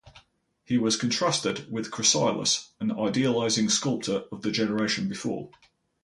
He was contrasted with Cresilas, an idealizing sculptor of the generation before.